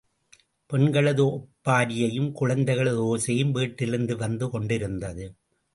பெண்களது ஒப்பாரியும், குழந்தைகளது ஓசையும் வீட்டிலிருந்து வந்து கொண்டிருந்தது.